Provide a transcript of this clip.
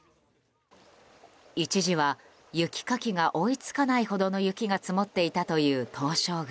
一時は雪かきが追い付かないほど雪が積もっていたという東照宮。